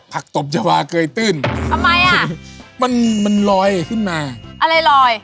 พักตบจวาเกยตื่นมันลอยขึ้นมาอะไรลอย